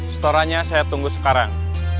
storannya saya tunggu sekarang